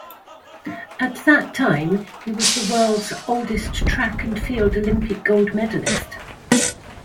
At that time, he was the world's oldest track and field Olympic Gold medalist.